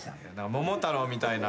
桃太郎みたいな。